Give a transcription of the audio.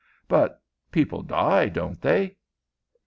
"But people die, don't they?"